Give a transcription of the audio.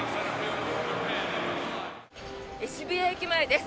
渋谷駅前です。